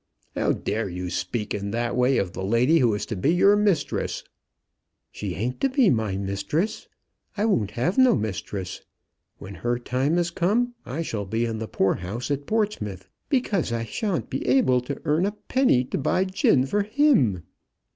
"How dare you speak in that way of the lady who is to be your mistress?" "She ain't to be my mistress. I won't have no mistress. When her time is come, I shall be in the poorhouse at Portsmouth, because I shan't be able to earn a penny to buy gin for him."